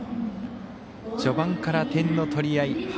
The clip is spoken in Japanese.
序盤から点の取り合い。